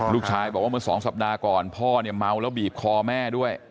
ลูกชายบอกว่าเมื่อสองสัปดาห์ก่อนพ่อเนี่ยเมาแล้วบีบคอแม่ด้วย